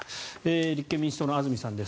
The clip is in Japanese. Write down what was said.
立憲民主党の安住さんです。